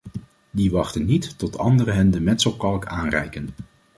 Die wachten niet tot anderen hen de metselkalk aanreiken.